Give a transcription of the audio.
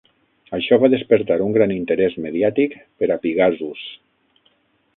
Això va despertar un gran interès mediàtic per a Pigasus.